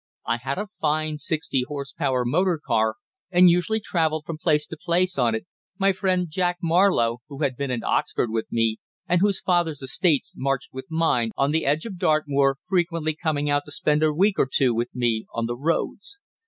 I had a fine sixty horse power motor car, and usually travelled from place to place on it, my friend Jack Marlowe, who had been at Oxford with me, and whose father's estates marched with mine on the edge of Dartmoor, frequently coming out to spend a week or two with me on the roads.